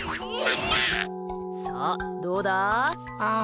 さあ、どうだ？